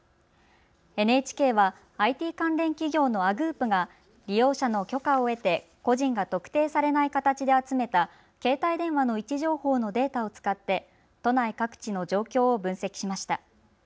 ＮＨＫはＩＴ関連企業のＡｇｏｏｐが利用者の許可を得て個人が特定されない形で集めた携帯電話の位置情報のデータを使って都内各地の状況を分析しました。